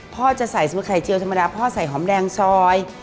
พ่อจะใส่สมมุติไข่เจียวธรรมดาพ่อใส่หอมแดงซอย